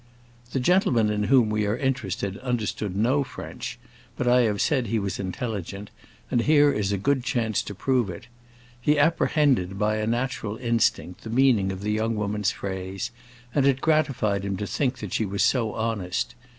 The gentleman in whom we are interested understood no French, but I have said he was intelligent, and here is a good chance to prove it. He apprehended, by a natural instinct, the meaning of the young woman's phrase, and it gratified him to think that she was so honest.